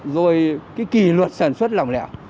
rồi cái kỳ luật sản xuất lòng lẹo